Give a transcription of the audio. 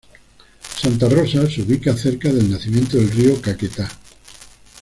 Santa Rosa se ubica cerca al nacimiento del río Caquetá.